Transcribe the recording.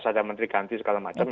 sudah ada menteri ganti segala macam ya